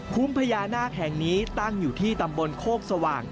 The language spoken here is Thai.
พญานาคแห่งนี้ตั้งอยู่ที่ตำบลโคกสว่าง